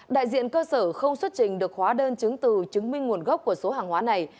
đại diện cơ sở không xuất trình được hóa đơn chứng từ chứng minh nguồn gốc của số hàng hóa này